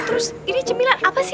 terus ini cemilan apa sih